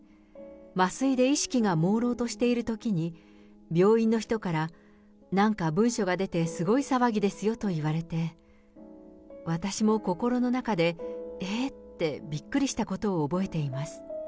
麻酔で意識がもうろうとしているときに、病院の人から、なんか文書が出てすごい騒ぎですよと言われて、私も心の中で、えー！ってびっくりしたことを覚えています。